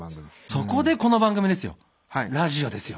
そこでこの番組ですよラジオですよ。